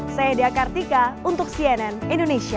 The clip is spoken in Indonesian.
saya dea kartika untuk cnn indonesia